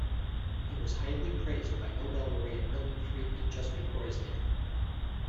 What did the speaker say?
He was highly praised by Nobel laureate Milton Friedman just before his death.